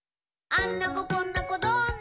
「あんな子こんな子どんな子？